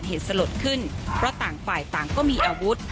เหตุสลดขึ้นเพราะต่างฝ่ายต่างก็มีอาวุธ